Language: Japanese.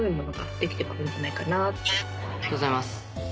ありがとうございます。